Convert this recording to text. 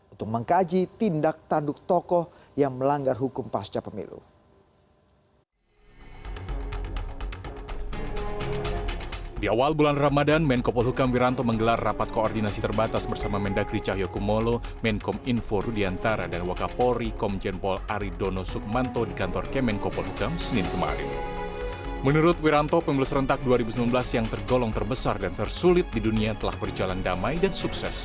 untuk mengkaji tindak tanduk tokoh yang melanggar hukum pasca pemilu